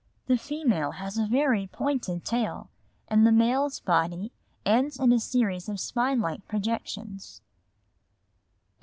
The female has a very pointed tail, and the male's body ends in a series of spine like projections (pl.